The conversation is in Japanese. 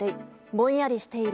ぼんやりしている。